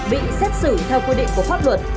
bị xét xử theo quy định của pháp luật